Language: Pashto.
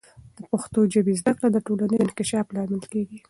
د پښتو ژبې زده کړه د ټولنیز انکشاف لامل کیږي.